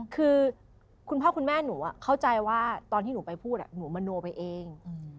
คือคุณพ่อคุณแม่หนูเข้าใจว่าตอนที่หนูไปพูดหนูมโนไปเอง